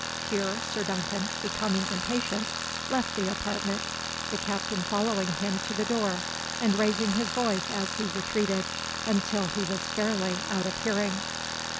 (Here Sir Duncan, becoming impatient, left the apartment, the Captain following him to the door, and raising his voice as he retreated, until he was fairly out of hearing.)